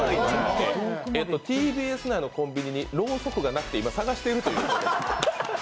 ＴＢＳ内のコンビニにろうそくがなくて今探しているという。